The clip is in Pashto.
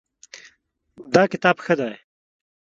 دا کتاب ښه دی